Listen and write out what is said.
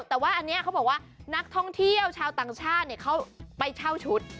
แต่ว่าอันนี้เขาบอกว่านักท่องเที่ยวชาวต่างชาติเขาไปเช่าชุด